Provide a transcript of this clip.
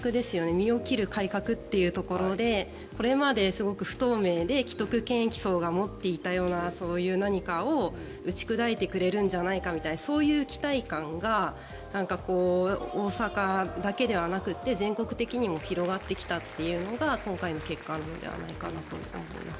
身を切る改革というところでこれまですごく不透明で既得権益層が持っていたようなそういう何かを打ち砕いてくれるんじゃないかみたいなそういう期待感が大阪だけではなくて全国的にも広がってきたというのが今回の結果なのではないかと思っています。